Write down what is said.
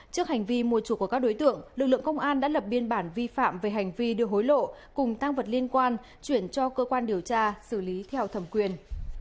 trước hành vi mua chủ của các đối tượng lực lượng công an đã lập biên bản vi phạm về hành vi đưa hối lộ cùng tăng vật liên quan chuyển cho cơ quan điều tra xử lý theo thẩm quyền